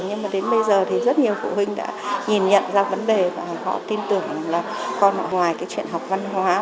nhưng mà đến bây giờ thì rất nhiều phụ huynh đã nhìn nhận ra vấn đề và họ tin tưởng là con họ ngoài cái chuyện học văn hóa